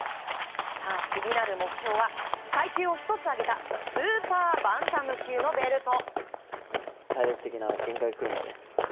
次なる目標は階級を１つ上げたスーパーバンタム級のベルト。